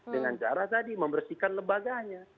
dengan cara tadi membersihkan lembaganya